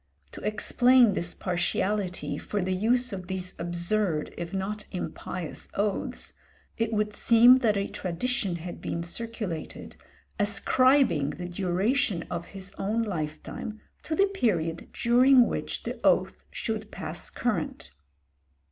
To explain this partiality for the use of these absurd if not impious oaths, it would seem that a tradition had been circulated, ascribing the duration of his own lifetime to the period during which the oath should pass current.